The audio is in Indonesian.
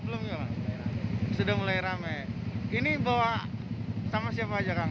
belum sudah mulai ramai ini bawa sama siapa aja kang sama siapa aja anak anak